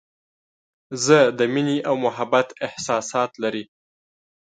زه د مینې او محبت احساسات لري.